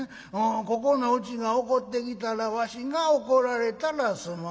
ここのうちが怒ってきたらわしが怒られたらその話。